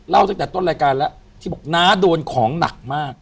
ตั้งแต่ต้นรายการแล้วที่บอกน้าโดนของหนักมาก